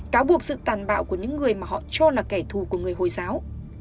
cáo buộc sự tàn bạo của những người mà họ cho là kẻ thù của người hồi giáo